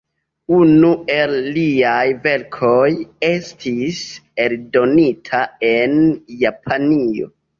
Unu el liaj verkoj estis eldonita en Japanio.